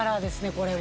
これは。